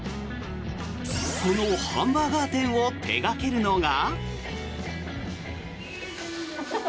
このハンバーガー店を手掛けるのが。